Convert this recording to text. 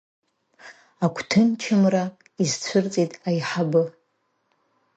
Агәҭынчымра изцәырҵит аиҳабы.